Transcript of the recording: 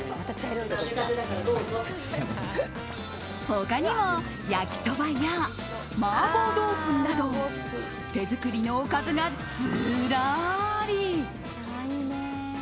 他にも焼きそばや麻婆豆腐など手作りのおかずがずらり。